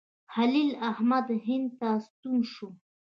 خلیل احمد هند ته ستون شو.